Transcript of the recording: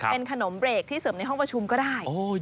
เป็นขนมเบรกที่เสริมในห้องประชุมก็ได้